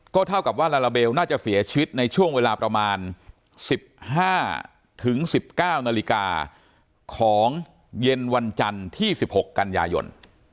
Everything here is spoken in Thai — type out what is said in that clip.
เท่ากับว่าลาลาเบลน่าจะเสียชีวิตในช่วงเวลาประมาณ๑๕๑๙นาฬิกาของเย็นวันจันทร์ที่๑๖กันยายน